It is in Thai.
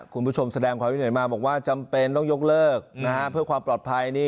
คุณผู้ชมแสดงความคิดเห็นมาบอกว่าจำเป็นต้องยกเลิกเพื่อความปลอดภัย